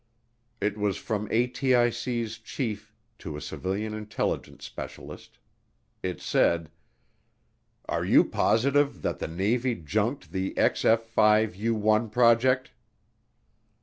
It was from ATIC's chief to a civilian intelligence specialist. It said, "Are you positive that the Navy junked the XF 5 U 1 project?"